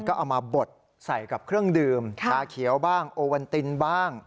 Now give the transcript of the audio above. ก็เอามาบดใส่กับเครื่องดื่มชาเขียวบ้างโอวันตินบ้าง